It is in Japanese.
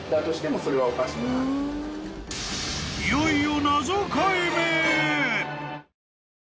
［いよいよ］